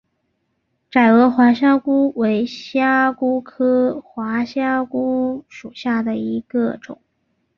窄额滑虾蛄为虾蛄科滑虾蛄属下的一个种。